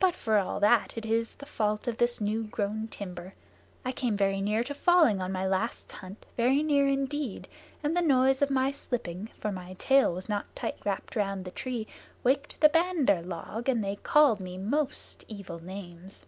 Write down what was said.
"But for all that, it is the fault of this new grown timber. I came very near to falling on my last hunt very near indeed and the noise of my slipping, for my tail was not tight wrapped around the tree, waked the Bandar log, and they called me most evil names."